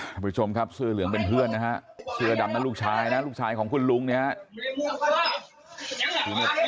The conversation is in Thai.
ท่านผู้ชมครับเสื้อเหลืองเป็นเพื่อนนะฮะเสื้อดำนั้นลูกชายนะลูกชายของคุณลุงนะครับ